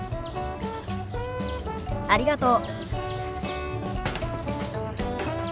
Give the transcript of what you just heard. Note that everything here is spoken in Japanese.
ありがとう。